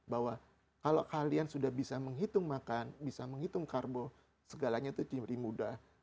bahwa kalau kalian sudah bisa menghitung makan bisa menghitung karbo segalanya itu lebih mudah